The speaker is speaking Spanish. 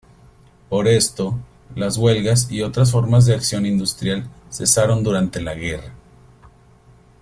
Por esto, las huelgas y otras formas de acción industrial cesaron durante la guerra.